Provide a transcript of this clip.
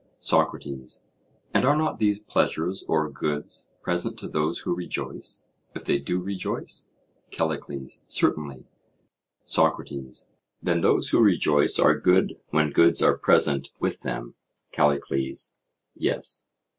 SOCRATES: And are not these pleasures or goods present to those who rejoice—if they do rejoice? CALLICLES: Certainly. SOCRATES: Then those who rejoice are good when goods are present with them? CALLICLES: Yes.